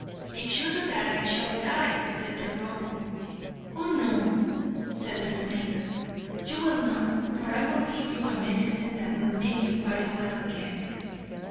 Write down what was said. "If you do that, I shall die," said the Rohu. "Oh, no," said the snake, "you will not, for I will give you a medicine that will make you quite well again."